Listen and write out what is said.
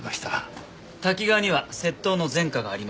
瀧川には窃盗の前科がありました。